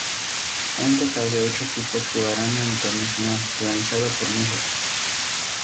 Un total de ocho equipos jugarán en el torneo final, organizado por Níger.